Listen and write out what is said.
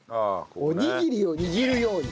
おにぎりを握るように。